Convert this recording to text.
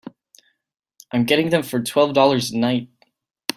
I'm getting them for twelve dollars a night.